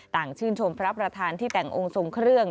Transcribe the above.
ต่างชื่นชมพระประธานที่แต่งองค์ทรงเครื่อง